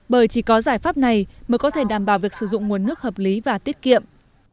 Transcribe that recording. bởi chỉ có giải pháp này mới có thể đảm bảo việc sử dụng nguồn nước hợp lý và tiết kiệm